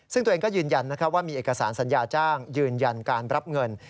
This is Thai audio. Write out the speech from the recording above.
ซึ่งตัวเองก็ยืนยันว่ามีเอกสารสัญญาจ้างยืนยันการรับเงิน